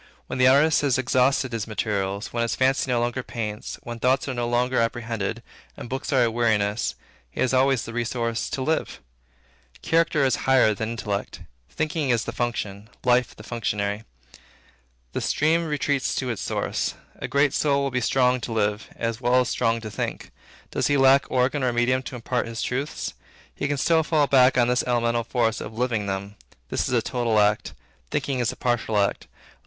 When the artist has exhausted his materials, when the fancy no longer paints, when thoughts are no longer apprehended, and books are a weariness, he has always the resource to live. Character is higher than intellect. Thinking is the function. Living is the functionary. The stream retreats to its source. A great soul will be strong to live, as well as strong to think. Does he lack organ or medium to impart his truths? He can still fall back on this elemental force of living them. This is a total act. Thinking is a partial act.